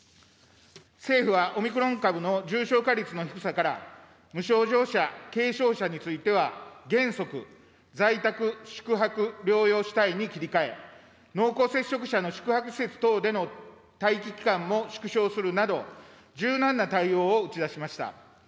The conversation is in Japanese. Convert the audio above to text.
政府はオミクロン株の重症化率の低さから、無症状者・軽症者については原則、在宅・宿泊療養主体に切り替え、濃厚接触者の宿泊施設等での待機期間も縮小するなど、柔軟な対応を打ち出しました。